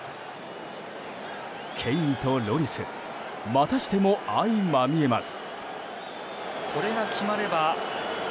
ケインとロリスまたしても相まみえます。